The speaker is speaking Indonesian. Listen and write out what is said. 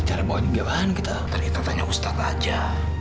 cara bawa dia ke jalan kita tadi kita tanya ustaz saja